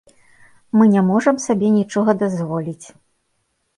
Мы не можам сабе нічога дазволіць.